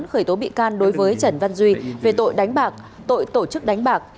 khởi tố bị can đối với trần văn duy về tội đánh bạc tội tổ chức đánh bạc